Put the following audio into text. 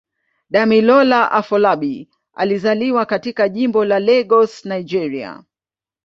Damilola Afolabi alizaliwa katika Jimbo la Lagos, Nigeria.